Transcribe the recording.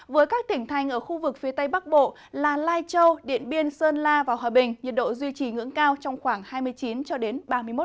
với các tỉnh thành ở khu vực phía tây bắc bộ là lai châu điện biên sơn la và hòa bình nhiệt độ duy trì ngưỡng cao trong khoảng hai mươi chín ba mươi một độ